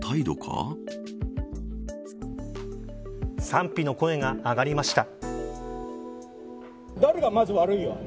賛否の声が上がりました。